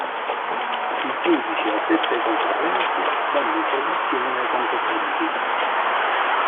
I giudici addetti ai concorrenti danno informazioni ai concorrenti.